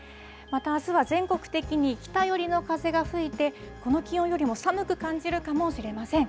また、あすは全国的に北寄りの風が吹いて、この気温よりも寒く感じるかもしれません。